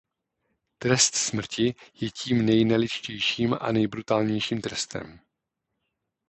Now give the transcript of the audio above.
Trest smrti je tím nejnelidštějším a nejbrutálnějším trestem.